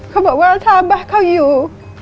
เขาบอกว่าถ้าบ้านเขาอยู่